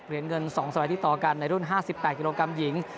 เหรียญเงิน๒สมัยที่ต่อกันในรุ่น๕๘กิโลกรัมหญิง